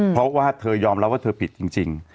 เพราะว่าเธอยอมรับว่าเธอผิดจริง